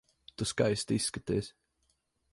Tu skaisti izskaties.